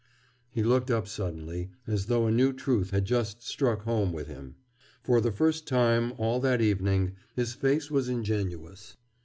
He looked up suddenly, as though a new truth had just struck home with him. For the first time, all that evening, his face was ingenuous.